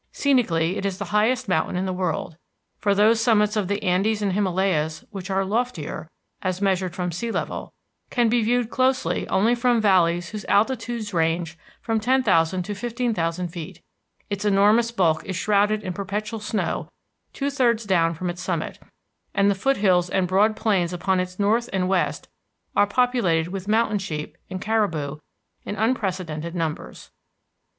Scenically, it is the highest mountain in the world, for those summits of the Andes and Himalayas which are loftier as measured from sea level, can be viewed closely only from valleys whose altitudes range from 10,000 to 15,000 feet. Its enormous bulk is shrouded in perpetual snow two thirds down from its summit, and the foothills and broad plains upon its north and west are populated with mountain sheep and caribou in unprecedented numbers.